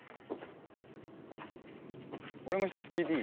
俺も１つ聞いていい？